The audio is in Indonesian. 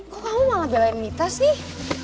kok kamu malah belain mita sih